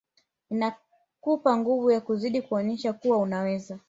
Inakupa nguvu ya kuzidi kuonyesha kuwa unaweza